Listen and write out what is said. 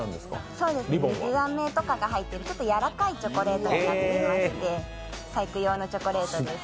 水あめとかが入っている、ちょっとやわらかいチョコレートになっていまして細工用のチョコレートです。